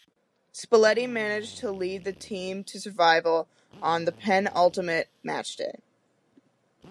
Spalletti managed to lead the team to survival on the penultimate matchday.